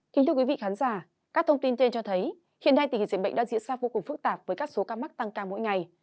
kính thưa quý vị khán giả các thông tin trên cho thấy hiện nay tình hình dịch bệnh đang diễn ra vô cùng phức tạp với các số ca mắc tăng cao mỗi ngày